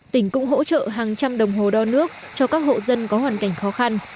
tỉnh cũng hỗ trợ hàng trăm đồng hồ đo nước cho các hộ dân có hoàn cảnh khó khăn